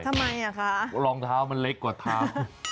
ทำไมลองเท้ามันเล็กกว่าเท้า